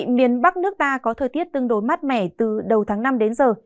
miền bắc nước ta có thời tiết tương đối mát mẻ từ đầu tháng năm đến giờ